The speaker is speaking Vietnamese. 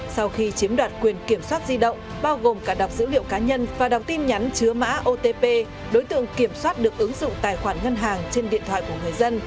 sau khi chiếm đoạt quyền kiểm soát di động bao gồm cả đọc dữ liệu cá nhân và đọc tin nhắn chứa mã otp đối tượng kiểm soát được ứng dụng tài khoản ngân hàng trên điện thoại của người dân